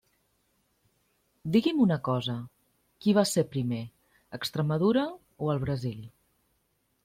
Digui'm una cosa, ¿qui va ser primer, Extremadura o el Brasil?